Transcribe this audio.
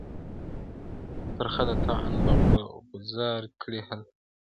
• ترخه د طعن به غوځار کړي هله,